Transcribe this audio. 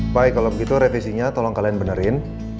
baik kalau begitu revisinya tolong kalian benerin